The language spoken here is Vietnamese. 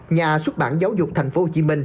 nhà xuất bản giáo dục tp hcm